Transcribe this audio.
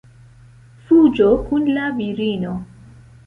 Fuĝo kun la virino.